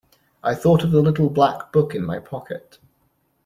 I thought of the little black book in my pocket!